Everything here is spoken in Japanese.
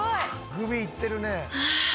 「グビいってるね」